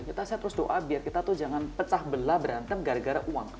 kita saya terus doa biar kita tuh jangan pecah belah berantem gara gara uang